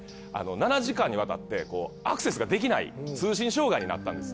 ７時間にわたってアクセスができない通信障害になったんです。